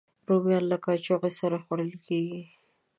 رومیان له کاچوغې سره خوړل کېږي